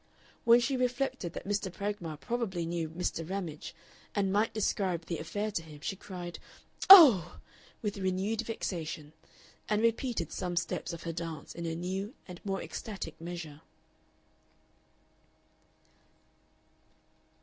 When she reflected that Mr. Pragmar probably knew Mr. Ramage, and might describe the affair to him, she cried "Oh!" with renewed vexation, and repeated some steps of her dance in a new and more ecstatic measure.